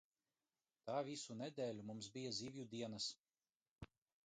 Tā visu nedēļu mums bija zivju dienas.